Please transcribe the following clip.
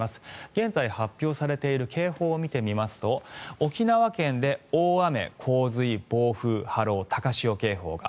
現在発表されている警報を見てみますと沖縄県で大雨、洪水、暴風、波浪高潮警報が。